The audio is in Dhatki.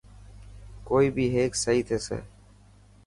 ڪوئي بي هيڪ سهي ٿيسي.